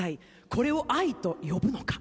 『これを愛と呼ぶのか？』